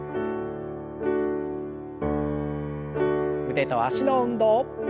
腕と脚の運動。